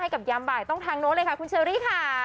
กับยามบ่ายต้องทางโน้นเลยค่ะคุณเชอรี่ค่ะ